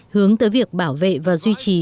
hướng tới việc bảo vệ và duy trì